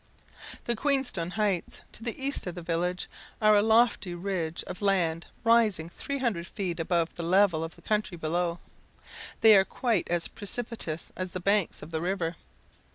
The Queenstone Heights, to the east of the village, are a lofty ridge of land rising three hundred feet above the level of the country below. They are quite as precipitous as the banks of the river.